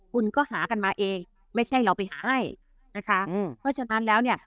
คุณก็หากันมาเองไม่ใช่เราไปหาให้นะคะอืมเพราะฉะนั้นแล้วเนี่ย